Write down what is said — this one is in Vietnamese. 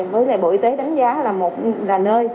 với lại bộ y tế đánh giá là một là nơi